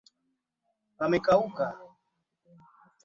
raia mmoja wa nigeria michael ikena ndwanya